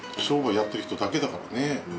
商売やってる人だけだからね。